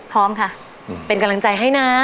พร้อมค่ะเป็นกำลังใจให้นะ